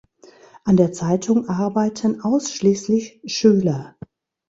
An der Zeitung arbeiten ausschließlich Schüler.